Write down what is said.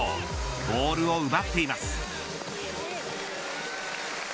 ボールを奪っています。